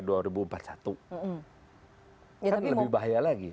kan lebih bahaya lagi